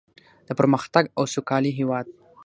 د پرمختګ او سوکالۍ هیواد.